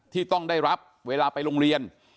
ที่ต้องได้รับเวลาไปโรงเรียน